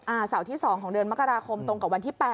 เสาร์ที่๒ของเดือนมกราคมตรงกับวันที่๘